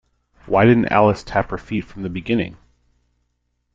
Why didn't Alice tap her feet from the beginning?